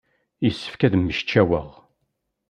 Yessefk ad mmecčaweɣ.